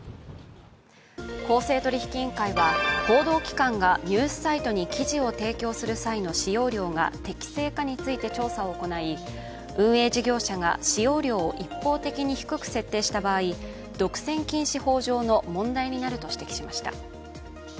公正取引委員会は報道機関がニュースサイトに記事を提供する際の使用料が適正かについて調査を行い運営事業者が使用料を一方的に低く設定した場合独占禁止法上の問題になると指摘しました。